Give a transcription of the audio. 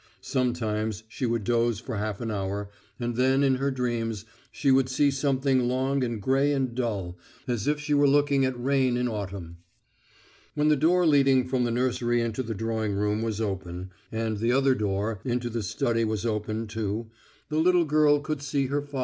Sometimes she would doze for half an hour, and then in her dreams she would see something long and grey and dull, as if she were looking at rain in autumn. When the door leading from the nursery into the drawing room was open, and the other door into the study was open too, the little girl could see her father.